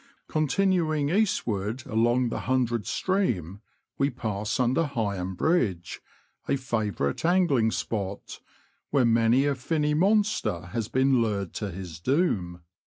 Continuing eastw^ard along the Hundred Stream, we pass under Heigham Bridge, a favourite angling spot, where many a finny monster has been lured to his doom.